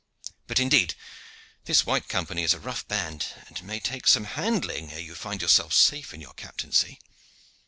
But indeed this White Company is a rough band, and may take some handling ere you find yourself safe in your captaincy."